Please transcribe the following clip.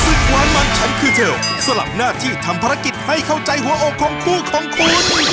ความมันฉันคือเธอสลับหน้าที่ทำภารกิจให้เข้าใจหัวอกของคู่ของคุณ